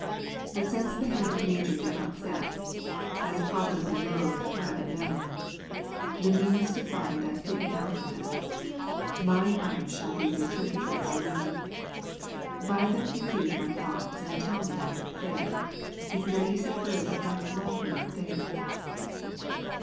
But since the hand of nature did not set (As providently loath to have it known) The means to find that hidden alphabet, Mine eyes shall be the interpreters alone: By them conceive my thoughts, and tell me, fair, If now you see her that doth love me, there.